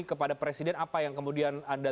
kepada presiden apa yang kemudian anda